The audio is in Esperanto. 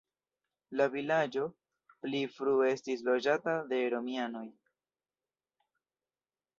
La vilaĝo pli frue estis loĝata de romianoj.